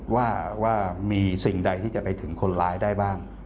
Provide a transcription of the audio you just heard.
ว่ามีสิ่งใดที่จะไปถึงคนร้ายได้บ้าง